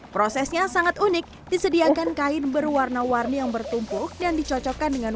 prosesnya sangat unik disediakan kain berwarna warni yang bertumpuk dan dicocokkan dengan